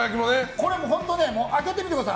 これも本当開けてみてください